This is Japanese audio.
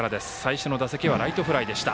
最初の打席はライトフライでした。